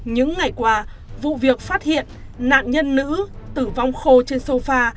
những ngày qua vụ việc phát hiện nạn nhân nữ tử vong khô trên sofa